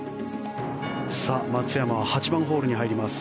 松山は８番ホールに入ります。